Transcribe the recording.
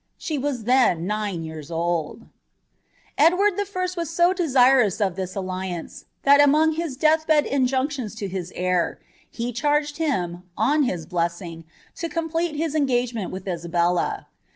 She was then nine years old," Edn'ard [. was so ilesirous of this alliance, that among his denih bed injuncliona to his heir, he charged ikim, on his blessing, to complete hia cnngeinent with Isabella.